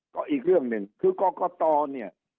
ก็อีกเรื่องหนึ่งคือกรกตเนี่ย